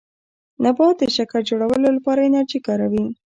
نبات د شکر جوړولو لپاره انرژي کاروي